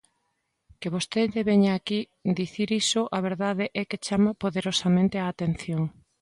Que vostede veña aquí dicir iso a verdade é que chama poderosamente a atención.